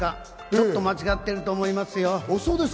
ちょっと間違ってると思いますよ。